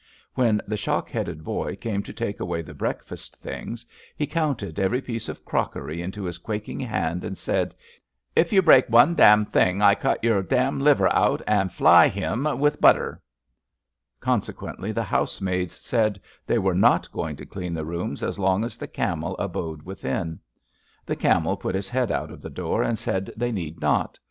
When the shock headed boy came to take away the breakfast things, he counted every piece of crockery into his quaking hand and said: If you break one dam 294 ABAFT THE FUNNEL thing I cut your dam liver out and fly him with butter/^ Consequently, the housemaids said they were not going to clean the rooms as long as the Camel abode within. The Camel put his head out of the door and said they need not.